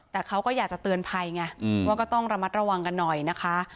แต่เขาก็อยากจะเตือนภัยไงว่าก็ต้องระมัดระวังกันหน่อยนะคะ